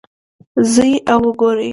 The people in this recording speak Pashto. ځئ او وګورئ